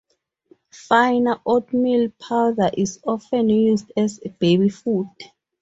Finer oatmeal powder is often used as baby food.